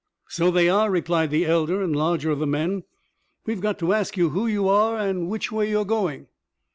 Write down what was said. "So they are," replied the elder and larger of the men. "We've got to ask you who you are and which way you're going."